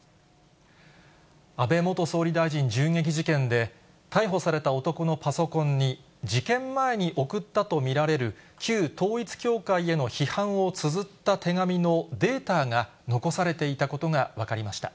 安倍元総理大臣銃撃事件で、逮捕された男のパソコンに、事件前に送ったと見られる、旧統一教会への批判をつづった手紙のデータが残されていたことが分かりました。